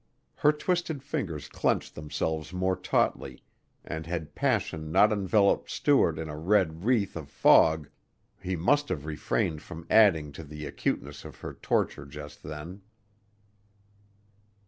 Her twisted fingers clenched themselves more tautly and had passion not enveloped Stuart in a red wreath of fog he must have refrained from adding to the acuteness of her torture just then.